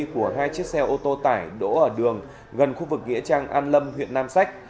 của hai chiếc xe ô tô tải đỗ ở đường gần khu vực nghĩa trang an lâm huyện nam sách